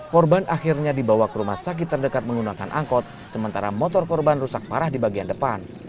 korban akhirnya dibawa ke rumah sakit terdekat menggunakan angkot sementara motor korban rusak parah di bagian depan